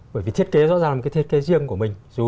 bởi vì thiết kế rõ ràng là một cái thiết kế riêng của mình